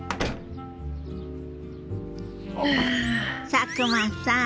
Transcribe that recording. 佐久間さん。